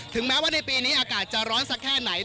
แม้ว่าในปีนี้อากาศจะร้อนสักแค่ไหน